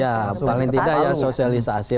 ya paling tidak ya sosialisasi